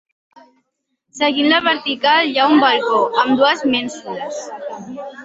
Seguint la vertical hi ha un balcó, amb dues mènsules.